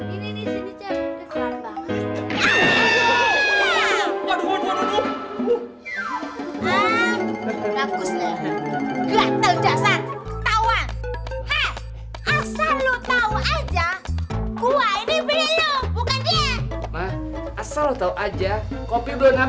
ini pasti kerjaan orang kakak benar